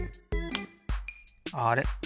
あれ？